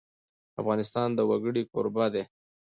افغانستان د وګړي کوربه دی.